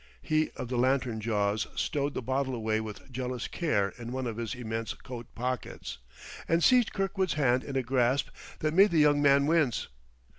He of the lantern jaws stowed the bottle away with jealous care in one of his immense coat pockets, and seized Kirkwood's hand in a grasp that made the young man wince.